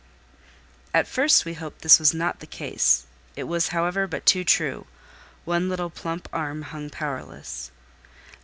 At first we hoped this was not the case. It was, however, but too true: one little plump arm hung powerless.